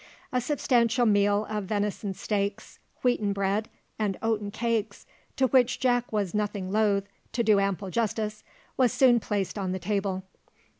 A substantial meal of venison steaks, wheaten bread, and oaten cakes, to which Jack was nothing loath to do ample justice, was soon placed on the table.